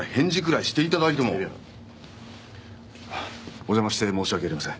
お邪魔して申し訳ありません。